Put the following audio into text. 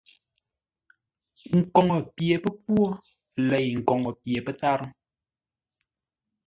Nkoŋə pye pə́pwô lei koŋə pye pə́tárə́.